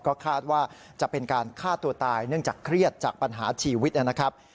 ก็คาดว่าจะเป็นการฆ่าตัวตายเนื่องจากเครียดจากปัญหาชีวิตนะครับ